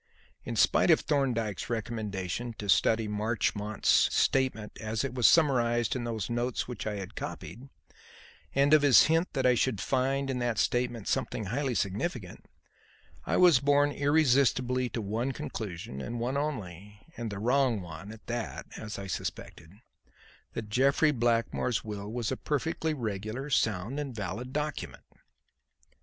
In spite of Thorndyke's recommendation to study Marchmont's statement as it was summarized in those notes which I had copied, and of his hint that I should find in that statement something highly significant, I was borne irresistibly to one conclusion, and one only and the wrong one at that, as I suspected: that Jeffrey Blackmore's will was a perfectly regular, sound and valid document.